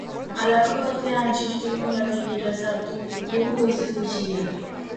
Halako batean, txistu min batek iratzartu du goizeko isila.